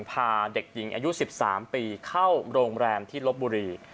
พาเด็กหญิงอายุ๑๓ปีเข้าโรงแรมที่ลบบุรี